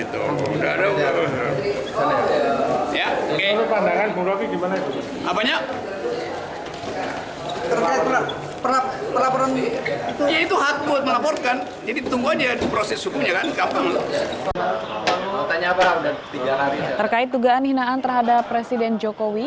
terkait dugaan hinaan terhadap presiden jokowi